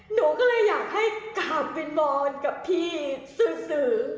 หนูก็เลยอยากให้กามปิดมองกับพี่ซื้อ